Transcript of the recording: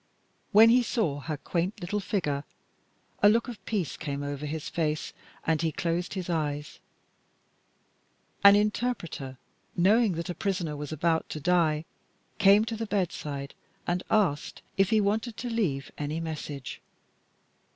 When he saw her quaint little figure, a look of peace came over his face and he closed his eyes. An interpreter, knowing that a prisoner was about to die, came to the bedside and asked if he wanted to leave any message.